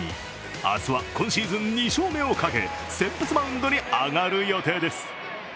明日は、今シーズン２勝目をかけ、先発マウンドに上がる予定です。